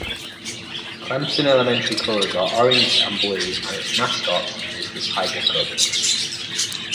Clemson Elementary colors are orange and blue, and its mascot is the tiger cub.